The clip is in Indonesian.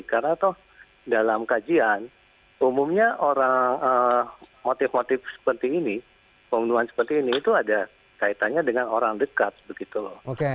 karena toh dalam kajian umumnya orang motif motif seperti ini pembunuhan seperti ini itu ada kaitannya dengan orang dekat begitu loh